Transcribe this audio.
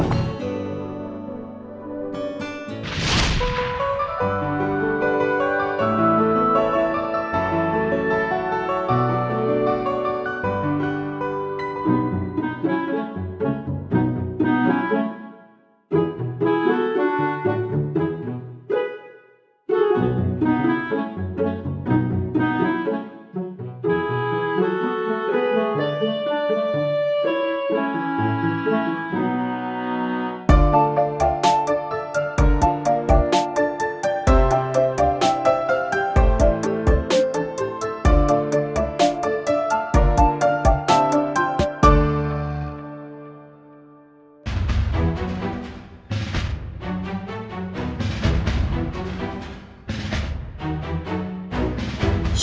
yang selesai lo